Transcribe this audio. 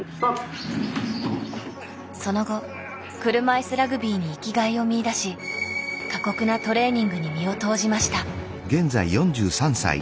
その後車いすラグビーに生きがいを見いだし過酷なトレーニングに身を投じました。